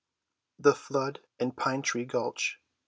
*THE FLOOD IN PINE TREE GULCH.